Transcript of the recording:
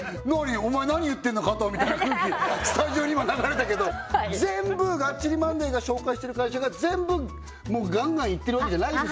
お前何言ってんの加藤」みたいな空気スタジオに今流れたけど全部「がっちりマンデー！！」が紹介してる会社が全部もうガンガンいってるわけじゃないですよ